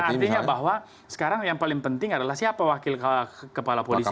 artinya bahwa sekarang yang paling penting adalah siapa wakil kepala polisi